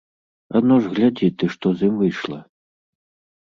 Ажно ж глядзі ты, што з ім выйшла?